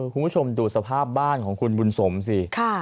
คุณผู้ชมดูสภาพบ้านของคุณบุญสมสิ